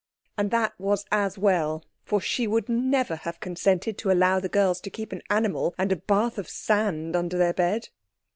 And that was as well, for she would never have consented to allow the girls to keep an animal and a bath of sand under their bed.